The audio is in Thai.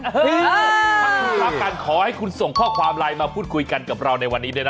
ถ้าคุณรักกันขอให้คุณส่งข้อความไลน์มาพูดคุยกันกับเราในวันนี้ด้วยนะ